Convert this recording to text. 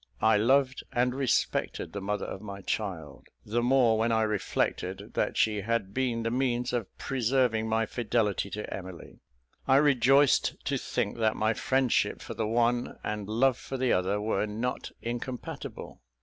I loved and respected the mother of my child; the more when I reflected that she had been the means of preserving my fidelity to Emily. I rejoiced to think that my friendship for the one, and love for the other, were not incompatible.